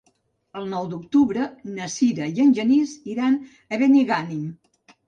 El nou d'octubre na Sira i en Genís iran a Benigànim.